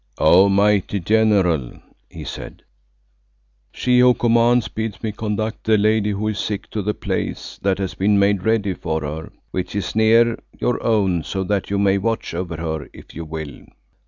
"O mighty General," he said, "She who commands bids me conduct the lady who is sick to the place that has been made ready for her, which is near your own so that you may watch over her if you will."